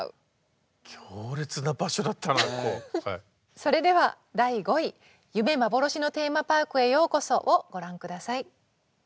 それでは第５位「ゆめまぼろしのテーマパークへようこそ」をご覧下さい。